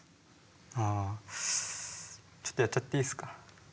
あちょっとやっちゃっていいですか？